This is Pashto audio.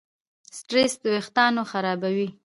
سټرېس وېښتيان خرابوي.